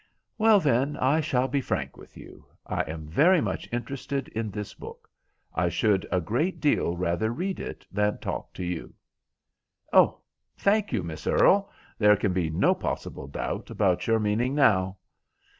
"Well, then, I shall be frank with you. I am very much interested in this book. I should a great deal rather read it than talk to you." "Oh, thank you, Miss Earle. There can be no possible doubt about your meaning now."